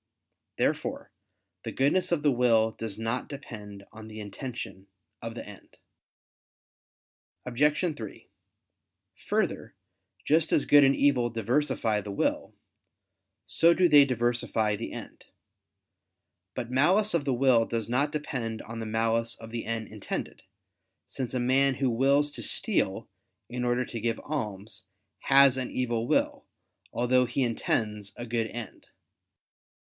Therefore the goodness of the will does not depend on the intention of the end. Obj. 3: Further, just as good and evil diversify the will, so do they diversify the end. But malice of the will does not depend on the malice of the end intended; since a man who wills to steal in order to give alms, has an evil will, although he intends a good end.